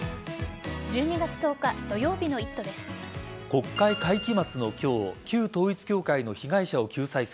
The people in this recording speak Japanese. １２月１０日土曜日の「イット！」です。